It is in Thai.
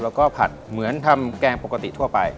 แล้วก็ผัดเหมือนทำแกงปกติทั่วไป